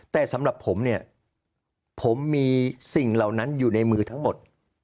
แต่สำหรับผมเนี่ยผมมีสิ่งเหล่านั้นอยู่ในมือทั้งหมด